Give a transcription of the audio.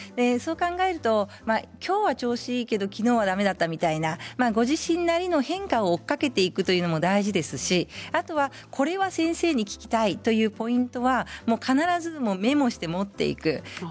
そう考えるときょうは調子いいけれども、きのうはだめだったみたいなご自身なりの変化を追いかけていくことも大事ですしこれは先生に聞きたいというポイントは必ずメモして持っていく。